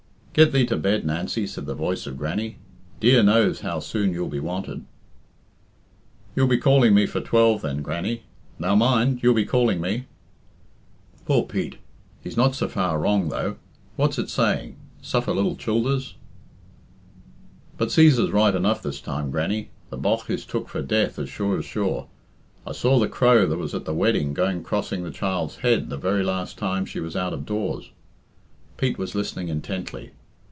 "Get thee to bed, Nancy," said the voice of Grannie. "Dear knows how soon you'll be wanted." "You'll be calling me for twelve, then, Grannie now, mind, you'll be calling me." "Poor Pete! He's not so far wrong, though. What's it saying? 'Suffer lil childers' " "But Cæsar's right enough this time, Grannie. The bogh is took for death as sure as sure. I saw the crow that was at the wedding going crossing the child's head the very last time she was out of doors." Pete was listening intently.